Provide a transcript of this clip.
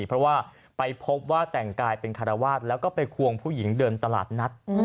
เพราะว่าไปพบว่าแต่งกายเป็นคารวาสแล้วก็ไปควงผู้หญิงเดินตลาดนัด